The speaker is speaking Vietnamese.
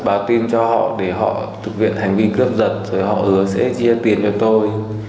báo tin cho họ để họ thực hiện hành vi cướp giật rồi họ hứa sẽ chia tiền cho tôi